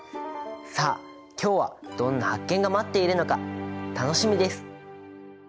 さあ今日はどんな発見が待っているのか楽しみです。